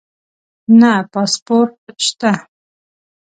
نه پاسپورټ شته